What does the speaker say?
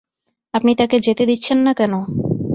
আপনি তাকে যেতে দিচ্ছেন না কেন?